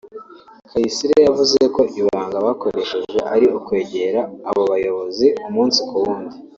Kayisire yavuze ko ibanga bakoresheje ari ukwegera abo bayobora umunsi ku wundi